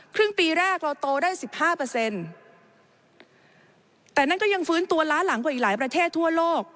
ครึ่งปีแรกเราโตได้๑๕แต่นั่นก็ยังฟื้นตัวล้านหลังกว่าอีกหลายประเทศทั่วโลก